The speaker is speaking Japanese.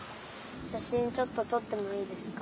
しゃしんちょっととってもいいですか。